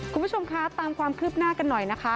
คุณผู้ชมคะตามความคืบหน้ากันหน่อยนะคะ